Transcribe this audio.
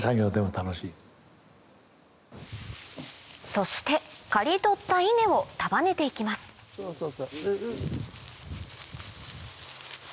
そして刈り取った稲を束ねていきますそうそう。